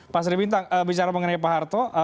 pak sri bintang bicara mengenai pak harto